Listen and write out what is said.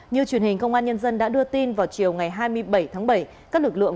như truyền hình công an nhân dân đã đưa tin vào chiều ngày hai mươi bảy tháng bảy